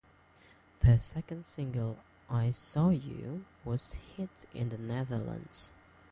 Their second single "I saw you" was a hit in the Netherlands.